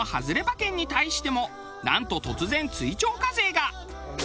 馬券に対してもなんと突然追徴課税が。